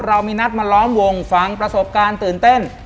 เรามีนัดมาล้อมวงฟังประสบการณ์ตื่นเต้น